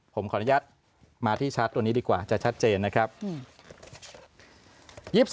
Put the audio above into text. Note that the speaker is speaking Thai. ผมขออนุญาตมาที่ชาร์จตัวนี้ดีกว่าจะชัดเจนนะครับ